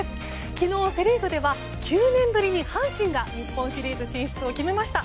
昨日、セ・リーグでは９年ぶりに阪神が日本シリーズ進出を決めました。